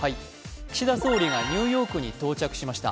岸田総理がニューヨークに到着しました